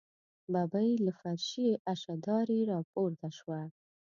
ببۍ له فرشي اشدارې راپورته شوه.